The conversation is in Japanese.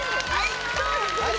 はい！